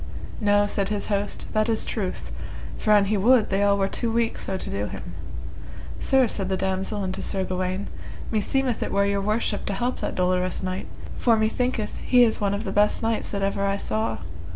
No, said his host, that is truth, for an he would they all were too weak so to do him. Sir, said the damosel unto Sir Gawaine, meseemeth it were your worship to help that dolorous knight, for methinketh he is one of the best knights that ever I saw.